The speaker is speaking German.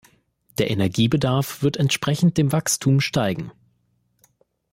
Der Energiebedarf wird entsprechend dem Wachstum steigen.